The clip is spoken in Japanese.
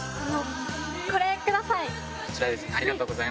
これください。